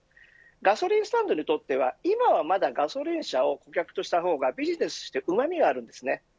ガソリンスタンドにとっては今もまだガソリン車を顧客としたビジネスとしてうまみがあります。